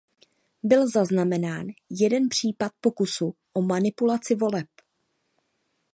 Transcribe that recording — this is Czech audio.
Byl zaznamenán jeden případ pokusu o manipulaci voleb.